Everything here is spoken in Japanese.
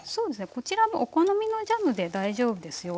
こちらもお好みのジャムで大丈夫ですよ。